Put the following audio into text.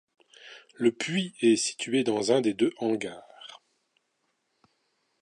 Le puits est situé dans un des deux hangars.